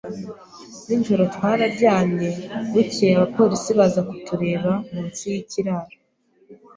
Nijoro twararyamye, bucyeye abapolisi baza kutureba munsi y’ikiraro